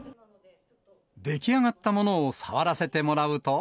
出来上がったものを触らせてもらうと。